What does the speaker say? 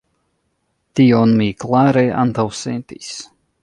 Tion mi klare antaŭsentis.